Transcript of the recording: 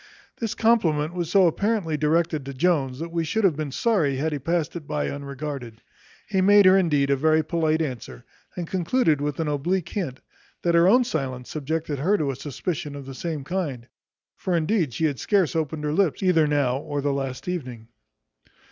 This compliment was so apparently directed to Jones, that we should have been sorry had he passed it by unregarded. He made her indeed a very polite answer, and concluded with an oblique hint, that her own silence subjected her to a suspicion of the same kind: for indeed she had scarce opened her lips either now or the last evening.